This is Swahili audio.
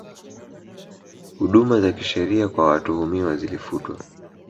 Huduma za kisheria kwa watuhumiwa zilifutwa